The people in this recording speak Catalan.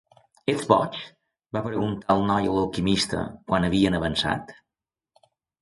"Ets boig?", va preguntar el noi a l'alquimista, quan havien avançat.